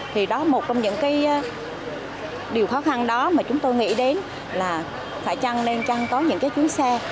thì đó một trong những cái điều khó khăn đó mà chúng tôi nghĩ đến là phải chăng nên chăn có những cái chuyến xe